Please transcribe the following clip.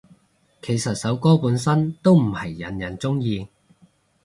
其實首歌本身都唔係人人鍾意